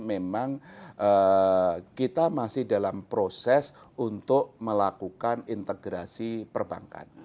memang kita masih dalam proses untuk melakukan integrasi perbankan